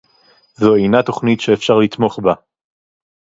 זו אינה תוכנית שאפשר לתמוך בה